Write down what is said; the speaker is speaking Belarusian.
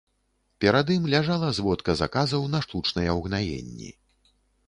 Перад ім ляжала зводка заказаў на штучныя ўгнаенні.